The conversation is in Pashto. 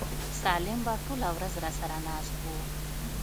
سالم به ټوله ورځ راسره ناست و.